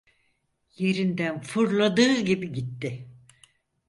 Yerinden fırladığı gibi gitti.